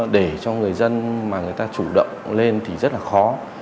để cho người dân mà người ta chủ động lên thì rất là khó